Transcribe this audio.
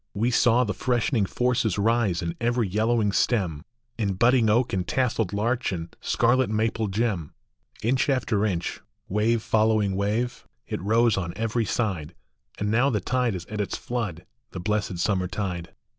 We saw the freshening forces rise in every yellowing stem, In budding oak and tasselled larch and scarlet maple gem. Inch after inch, wave following wave, it rose on every side ; And now the tide is at its flood, the blessed summer tide.